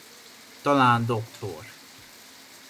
Talán dr.